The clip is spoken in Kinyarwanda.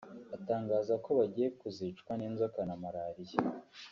atangaza ko bagiye kuzicwa n’inzoka na malariya